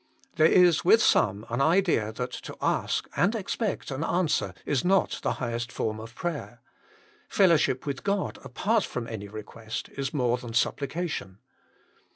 There is with some an idea that to ask and expect an answer is not the highest form of prayer. Fellowship with God, apart from any request, is more than supplication.